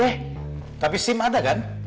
eh tapi sim ada kan